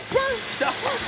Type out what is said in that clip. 来た！